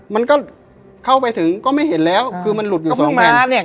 มันก็เข้าไปถึงก็ไม่เห็นแล้วคือมันหลุดอยู่ก็เพิ่งมาเนี่ย